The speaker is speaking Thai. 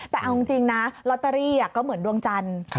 แต่เอาจริงนะลอตเตอรี่ก็เหมือนดวงจันทร์